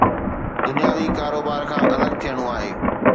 دنياوي ڪاروبار کان الڳ ٿيڻو آهي